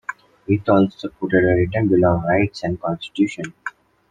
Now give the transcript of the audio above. It also supported a written Bill of Rights and Constitution.